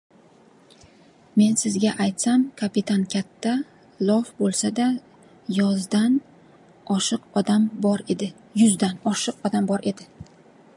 — Men sizga aytsam, kapitan katta, lof bo‘lsada, yuzdan oshiq odam bor edi.